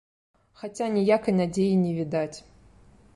Хаця ніякай надзеі не відаць.